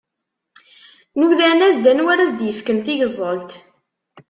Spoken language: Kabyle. Nudan-as-d anwa ara s-d-ifken tigẓelt.